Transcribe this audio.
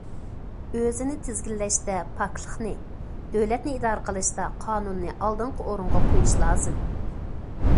ئۆزىنى تىزگىنلەشتە پاكلىقنى، دۆلەتنى ئىدارە قىلىشتا قانۇننى ئالدىنقى ئورۇنغا قويۇش لازىم.